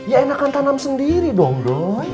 ya enakan tanam sendiri dong dong